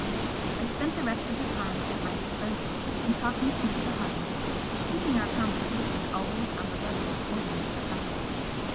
I spent the rest of the time at my disposal in talking to Mr. Harland, keeping our conversation always on the level of ordinary topics.